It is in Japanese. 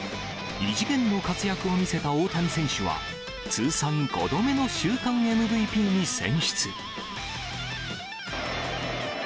異次元の活躍を見せた大谷選手は、通算５度目の週間ＭＶＰに選出。